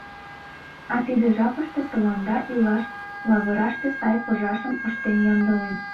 А тиде жапыште тыланда илаш лавыраште сай пыжашым ыштен ямдылем.